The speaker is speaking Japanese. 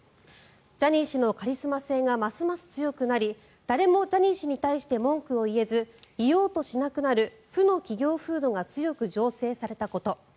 ジャニー氏のカリスマ性がますます強くなり誰もジャニー氏に対して文句を言えず言おうとしなくなる負の企業風土が強く醸成されたこと。